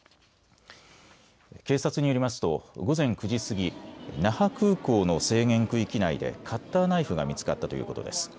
警察によりますと午前９時過ぎ那覇空港の制限区域内でカッターナイフが見つかったということです。